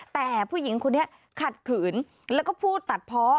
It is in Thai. แต่ผู้หญิงคนนี้ขัดขืนแล้วก็พูดตัดเพาะ